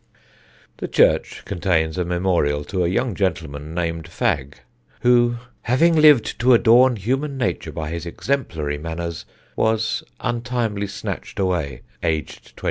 The church contains a memorial to a young gentleman named Fagg who, "having lived to adorn Human Nature by his exemplary manners, was untimely snatched away, aged 24."